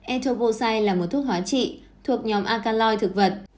etoposide là một thuốc hóa trị thuộc nhóm alcaloy thực vật